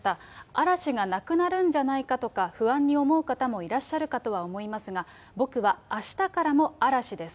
嵐がなくなるんじゃないかとか、不安に思う方もいらっしゃるかとは思いますが、僕はあしたからも嵐です。